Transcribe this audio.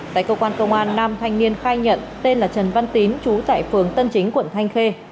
tại công an công an năm thanh niên khai nhận tên là trần văn tín trú tại phường tân chính quận thanh khê